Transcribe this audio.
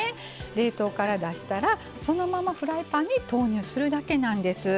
冷凍から出したらそのままフライパンに投入するだけなんです。